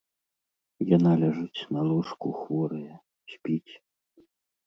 Яна ляжыць на ложку хворая, спіць.